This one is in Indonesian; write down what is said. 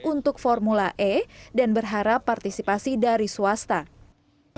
untuk formula e dan berharap partisipasi dari swasta